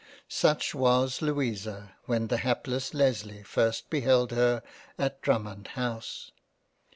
Such was Louisa when the hapless Lesley first beheld her at Drummond house.